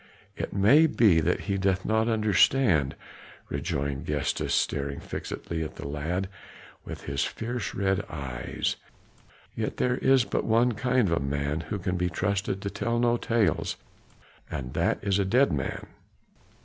"It may be that he doth not understand," rejoined Gestas, staring fixedly at the lad with his fierce red eyes; "yet there is but one kind of a man who can be trusted to tell no tales, and that is a dead man.